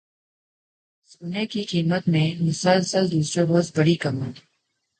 سونے کی قیمت میں مسلسل دوسرے روز بڑی کمی